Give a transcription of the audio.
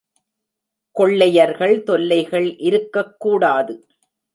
கொள்ளையர்கள் தொல்லைகள் இருக்கக் கூடாது.